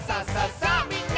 さあ！